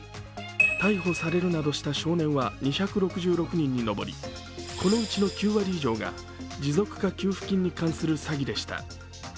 逮捕されるなどした少年は２６６人に上り、このうちの９割以上が、持続化給付金にかんする詐欺でした。